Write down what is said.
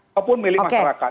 ataupun milik masyarakat